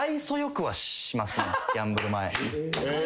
ギャンブル前。